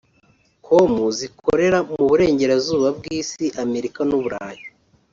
com zikorera mu burengerazuba bw’Isi (Amerika n’Uburayi)